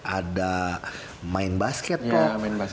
ada main basket kok